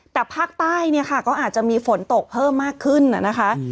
แต่ภาคใต้เนี่ยค่ะก็อาจจะมีฝนตกเพิ่มมากขึ้นนะคะ